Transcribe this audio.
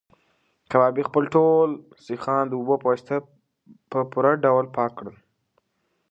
کبابي خپل ټول سیخان د اوبو په واسطه په پوره ډول پاک کړل.